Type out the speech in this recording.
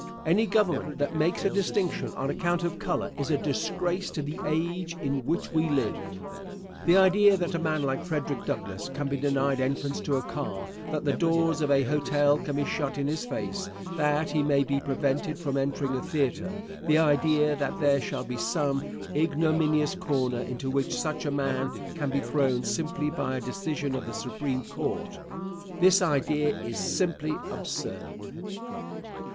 Any government that makes a distinction on account of color, is a disgrace to the age in which we live. The idea that a man like Frederick Douglass can be denied entrance to a car, that the doors of a hotel can be shut in his face; that he may be prevented from entering a theatre; the idea that there shall be some ignominious corner into which such a man can be thrown simply by a decision of the Supreme Court! This idea is simply absurd.